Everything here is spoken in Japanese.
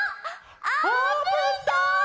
あーぷんだ！